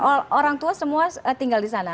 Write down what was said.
orang tua semua tinggal di sana